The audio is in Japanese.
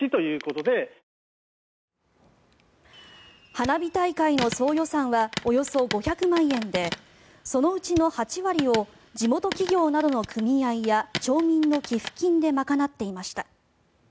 花火大会の総予算はおよそ５００万円でそのうちの８割を地元企業などの組合や町民の寄付金で賄っていました。